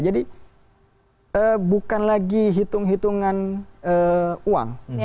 jadi bukan lagi hitung hitungan uang